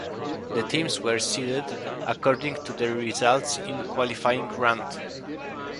The teams were seeded according to their results in the qualifying round.